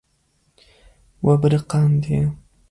We biriqandiye.